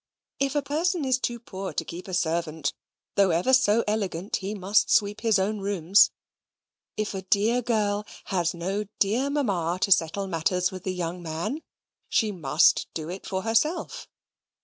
If a person is too poor to keep a servant, though ever so elegant, he must sweep his own rooms: if a dear girl has no dear Mamma to settle matters with the young man, she must do it for herself.